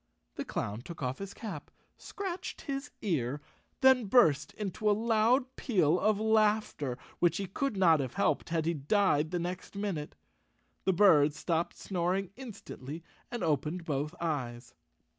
The clown took off his cap, scratched his ear and then burst into a loud peal of laughter, which he could not have helped had he died the next minute. The bird stopped snoring instantly, and opened both eyes.